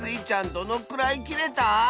どのくらいきれた？